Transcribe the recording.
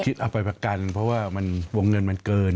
เอาไปประกันเพราะว่าวงเงินมันเกิน